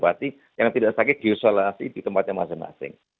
berarti yang tidak sakit diisolasi di tempat yang masing masing